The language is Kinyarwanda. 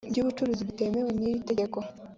by ubucuruzi bitemewe n iri tegeko